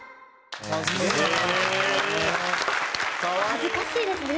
恥ずかしいですね。